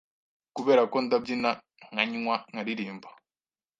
Kuberako ndabyina nkanywa nkaririmba